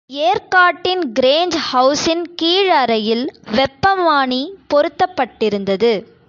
ஏர்க்காட்டின் Grange housing கீழ் அறையில் வெப்பமானி பொருத்தப்பட்டிருந்தது.